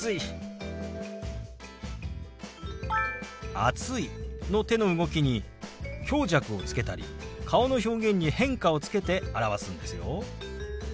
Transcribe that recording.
「暑い」の手の動きに強弱をつけたり顔の表現に変化をつけて表すんですよ。